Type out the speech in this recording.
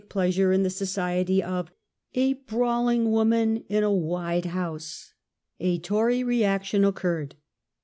1 19 pleasure in the society of a " brawling woman in a wide house ". A Tory reaction occurred.